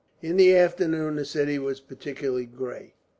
In the afternoon the city was particularly gay.